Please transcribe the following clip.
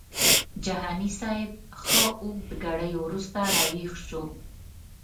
جهاني صاحب ښه اوږد ګړی وروسته راویښ شو.